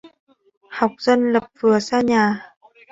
học dân lập vừa xa nhà